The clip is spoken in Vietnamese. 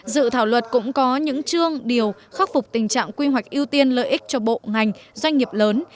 dự thảo luật cũng có những chương điều khắc phục tình trạng quy hoạch ưu tiên lợi ích cho bộ ngành doanh nghiệp lớn